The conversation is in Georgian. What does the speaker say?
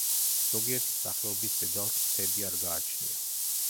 ზოგიერთი სახეობის დედალს ფრთები არ გააჩნია.